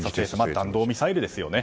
弾道ミサイルですよね。